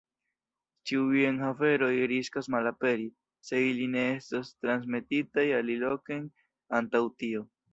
Ĉiuj enhaveroj riskas malaperi, se ili ne estos transmetitaj aliloken antaŭ tio.